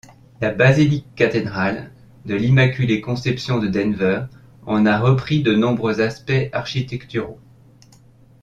La basilique-cathédrale de l'Immaculée-Conception de Denver en a repris de nombreux aspects architecturaux.